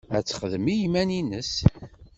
Ad texdem i yiman-nnes.